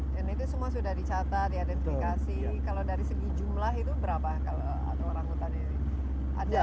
dan itu semua sudah dicatat diidentifikasi kalau dari segi jumlah itu berapa kalau orang hutan ini